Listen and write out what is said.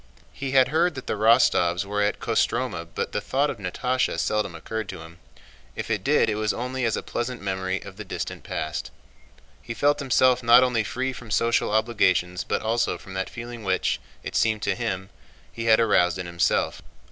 He had heard that the Rostóvs were at Kostromá but the thought of Natásha seldom occurred to him. If it did it was only as a pleasant memory of the distant past. He felt himself not only free from social obligations but also from that feeling which, it seemed to him, he had aroused in himself.